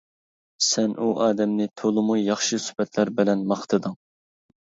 سەن ئۇ ئادەمنى تولىمۇ ياخشى سۈپەتلەر بىلەن ماختىدىڭ.